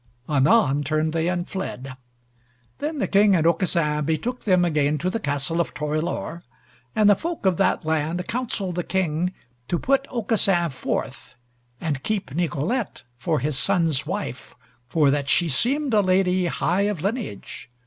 Anon turned they and fled. Then the King and Aucassin betook them again to the castle of Torelore, and the folk of that land counselled the King to put Aucassin forth, and keep Nicolete for his son's wife, for that she seemed a lady high of lineage.